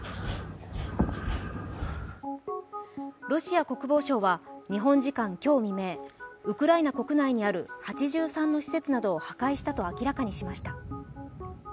ロシア国防省は日本時間今日未明、ウクライナ国内にある８３の施設などを破壊したと明らかにしました。